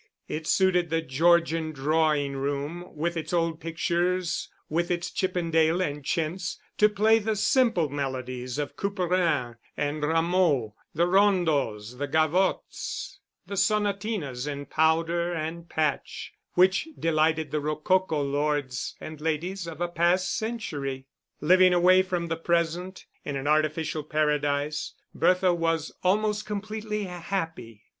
It suited the Georgian drawing room with its old pictures, with its Chippendale and chintz, to play the simple melodies of Couperin and Rameau; the rondos, the gavottes, the sonatinas in powder and patch, which delighted the rococo lords and ladies of a past century. Living away from the present, in an artificial paradise, Bertha was almost completely happy.